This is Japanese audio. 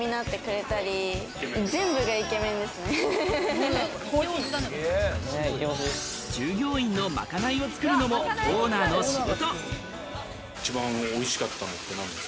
その由来とは従業員のまかないを作るのもオーナーの仕事。